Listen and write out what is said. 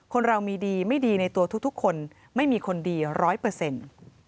เรามีดีไม่ดีในตัวทุกคนไม่มีคนดีร้อยเปอร์เซ็นต์